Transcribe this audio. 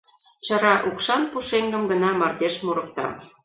Чара укшан пушеҥгым гына мардеж мурыкта.